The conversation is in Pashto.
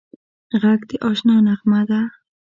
غږ د اشنا نغمه ده